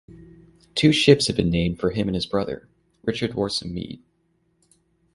Two ships have been named for him and his brother, Richard Worsam Meade.